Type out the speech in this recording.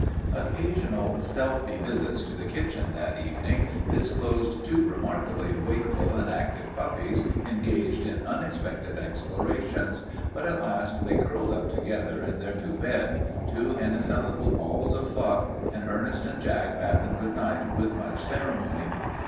Occasional stealthy visits to the kitchen that evening disclosed two remarkably wakeful and active puppies engaged in unexpected explorations, but at last they curled up together in their new bed, two innocent little balls of fluff, and Ernest and Jack bade them goodnight with much ceremony.